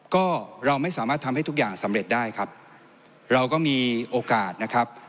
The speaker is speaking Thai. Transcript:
ก็เราไม่สามารถทำให้ทุกอย่างสำเร็จได้ครับเราก็มีโอกาสนะครับ